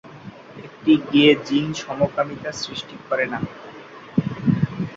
একটি gay gene সমকামিতা সৃষ্টি করে না।